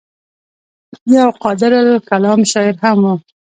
يو قادرالکلام شاعر هم وو